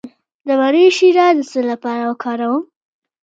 د مڼې شیره د څه لپاره وکاروم؟